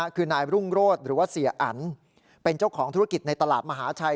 คือนายรุ่งโรธหรือว่าเสียอันเป็นเจ้าของธุรกิจในตลาดมหาชัย